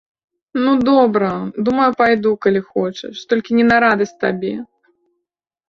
Ну, добра, думаю, пайду, калі хочаш, толькі не на радасць табе.